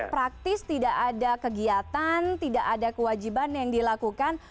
praktis tidak ada kegiatan tidak ada kewajiban yang dilakukan